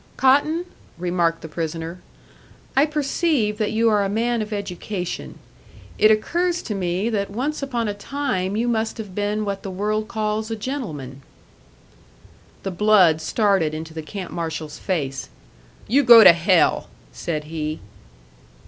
"Cotton," remarked the prisoner, "I perceive that you are a man of education. It occurs to me that once upon a time you must have been what the world calls a gentleman." The blood started into the camp marshal's face. "You go to hell!" said he.